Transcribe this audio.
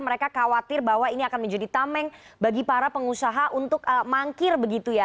mereka khawatir bahwa ini akan menjadi tameng bagi para pengusaha untuk mangkir begitu ya